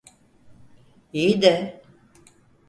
İyi de…